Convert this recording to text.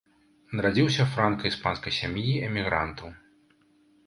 Нарадзіўся ў франка-іспанскай сям'і эмігрантаў.